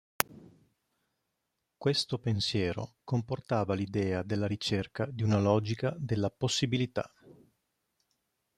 Questo pensiero comportava l’idea della ricerca di una logica della possibilità.